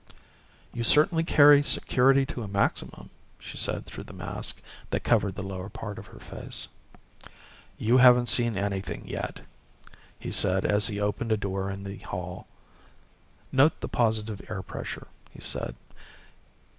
"You certainly carry security to a maximum," she said through the mask that covered the lower part of her face. "You haven't seen anything yet," he said as he opened a door in the hall. "Note the positive air pressure," he said.